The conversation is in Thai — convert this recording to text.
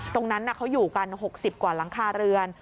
ตรงนั้นเขาอยู่กัน๖๐กว่าหลังคาเรือน